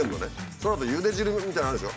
そのあとゆで汁みたいなのあるでしょ？